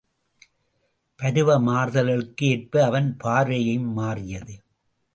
பருவ மாறுதல்களுக்கு ஏற்ப அவன் பார்வையும் மாறியது.